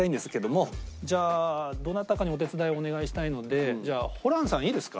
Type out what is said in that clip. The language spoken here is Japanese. じゃあどなたかにお手伝いをお願いしたいのでじゃあホランさんいいですか？